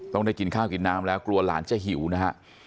ต้องได้กินข้าวกินน้ำแล้วกลัวหลานจะหิวนะฮะ